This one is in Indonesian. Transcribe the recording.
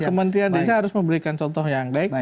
kementerian desa harus memberikan contoh yang baik